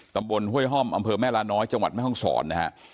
ห้วยห้อมอำเภอแม่ลาน้อยจังหวัดแม่ห้องศรนะฮะ